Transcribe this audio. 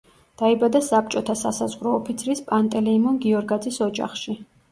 დაიბადა საბჭოთა სასაზღვრო ოფიცრის, პანტელეიმონ გიორგაძის ოჯახში.